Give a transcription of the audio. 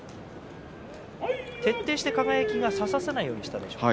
徹底して輝が差させないようにしたんですね。